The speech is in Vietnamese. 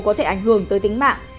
có thể ảnh hưởng tới tính mạng